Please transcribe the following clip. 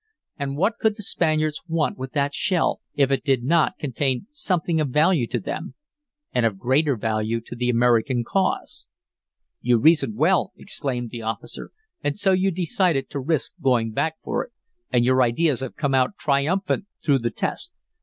And what could the Spaniards want with that shell if it did not contain something of value to them and of greater value to the American cause?" "You reasoned well," exclaimed the officer, "and so you decided to risk going back for it, and your ideas have come out triumphant through the test.